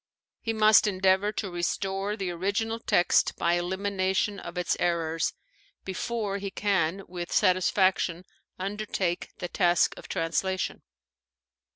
He must endeavor to restore the original text by elimination of its errors before he can with satisfaction undertake the task of translation.